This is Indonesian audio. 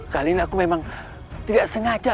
kali ini aku memang tidak sengaja